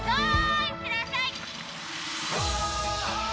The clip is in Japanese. いってらっしゃい！